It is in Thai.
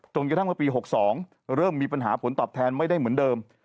กระทั่งเมื่อปี๖๒เริ่มมีปัญหาผลตอบแทนไม่ได้เหมือนเดิม